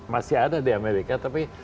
masih ada di amerika tapi